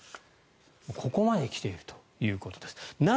ここまで来ているということです。